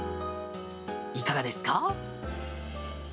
いかがですか？